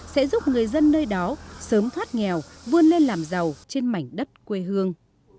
sẽ giúp người dân nơi đó sớm thoát nghèo vươn lên làm giàu trên mảnh đất quê hương